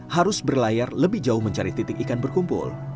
harus berlayar lebih jauh mencari titik ikan berkumpul